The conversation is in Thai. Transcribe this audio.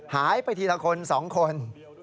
หายไปทีละคน๒คน